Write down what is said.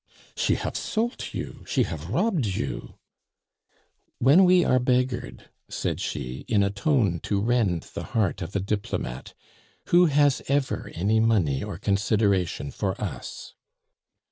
"She hafe solt you, she hafe robbed you " "When we are beggared," said she, in a tone to rend the heart of a diplomate, "who has ever any money or consideration for us?"